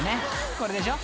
これでしょ］